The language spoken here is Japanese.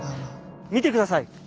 見てください！